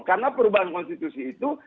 karena perubahan konstitusi itu